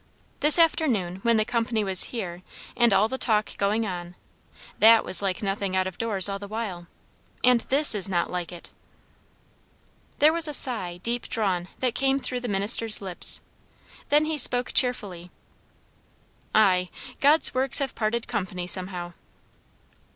This afternoon, when the company was here and all the talk going on that was like nothing out of doors all the while; and this is not like it." There was a sigh, deep drawn, that came through the minister's lips; then he spoke cheerfully "Ay, God's works have parted company somehow."